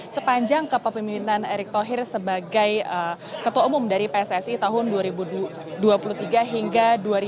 sepanjang kepemimpinan erick thohir sebagai ketua umum dari pssi tahun dua ribu dua puluh tiga hingga dua ribu dua puluh